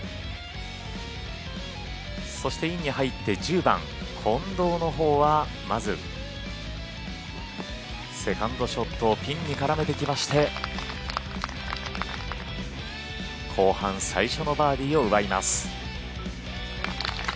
そしてインに入って１０番、近藤のほうはまず、セカンドショットをピンに絡めてきまして後半最初のバーディーを奪います。